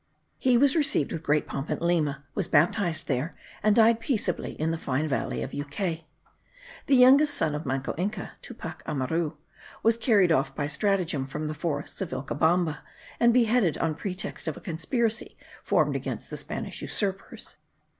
He was received with great pomp at Lima, was baptized there, and died peaceably in the fine valley of Yucay. The youngest son of Manco Inca, Tupac Amaru, was carried off by stratagem from the forests of Vilcabamba, and beheaded on pretext of a conspiracy formed against the Spanish usurpers.